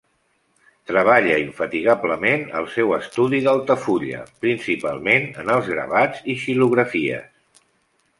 Treballa infatigablement al seu estudi d'Altafulla, principalment en els gravats i xilografies.